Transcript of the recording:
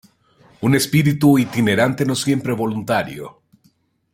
Un espíritu itinerante no siempre voluntario.